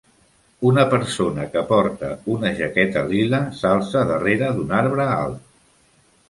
Una persona que porta una jaqueta lila s'alça darrere d'un arbre alt.